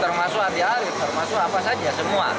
termasuk andi arief termasuk apa saja semua